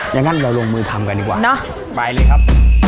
อย่างนั้นเราลงมือทำกันดีกว่าเนอะไปเลยครับ